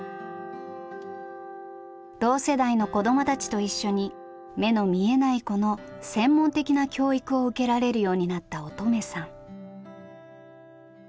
同世代の子どもたちと一緒に目の見えない子の専門的な教育を受けられるようになった音十愛さん。